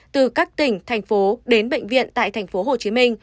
từ các tỉnh thành phố đến bệnh viện tại tp hcm